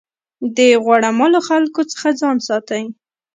د غوړه مالو خلکو څخه ځان ساتئ.